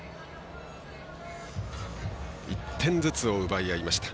１点ずつを奪い合いました。